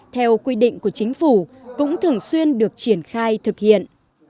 theo quy định của chính phủ cũng thường xuyên được triển khai thực hiện